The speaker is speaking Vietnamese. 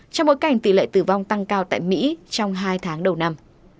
trong bối cảnh tỷ lệ tử vong tăng cao tại mỹ trong hai tháng đầu năm